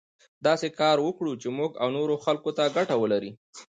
داسې کار وکړو چې موږ او نورو خلکو ته ګټه ولري.